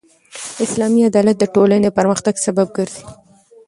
اسلامي عدالت د ټولني د پرمختګ سبب ګرځي.